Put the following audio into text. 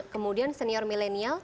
kemudian senior milenial